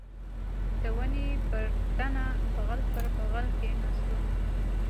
د ونې پر تنه بغل پر بغل کښېناستو.